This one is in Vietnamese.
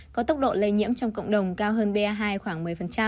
có tốc độ lây nhiễm trong cộng đồng cao hơn ba hai khoảng một mươi